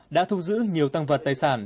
đã thu giữ nhiều tăng vật tài sản